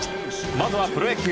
まずはプロ野球。